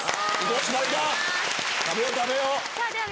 食べよう食べよう！